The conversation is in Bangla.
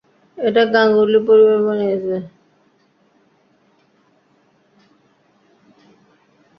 এটা গাঙ্গুলি পরিবার বানিয়েছে।